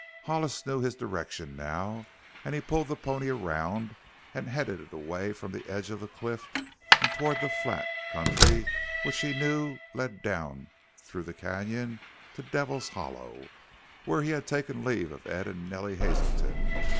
Hollis knew his direction now and he pulled the pony around and headed it away from the edge of the cliff and toward the flat country which he knew led down through the canyon to Devil's Hollow, where he had taken leave of Ed and Nellie Hazelton.